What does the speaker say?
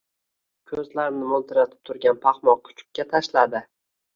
koʼzlarini moʼltiratib turgan paxmoq kuchukka tashladi.